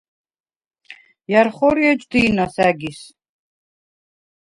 ჲა̈რ ხორი ეჯ დი̄ნას ა̈გის?